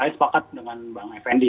saya sepakat dengan bang effendi